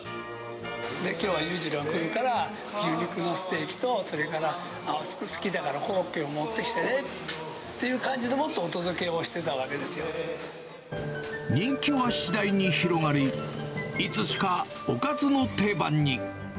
きょうは裕次郎君から牛肉のステーキと、それから好きだから、コロッケを持ってきてねっていう感じでもって、お届けをしてたわ人気は次第に広がり、いつしかおかずの定番に。